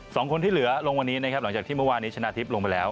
สองคนที่เหลือลงวันนี้นะครับหลังจากที่เมื่อวานนี้ชนะทิพย์ลงไปแล้ว